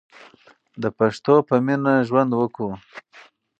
د پښتو په مینه ژوند وکړو.